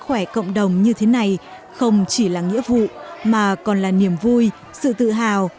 khỏe cộng đồng như thế này không chỉ là nghĩa vụ mà còn là niềm vui sự tự hào